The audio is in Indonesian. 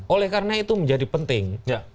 oleh karena itu menjadi penting